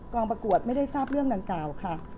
ประกวดไม่ได้ทราบเรื่องดังกล่าวค่ะ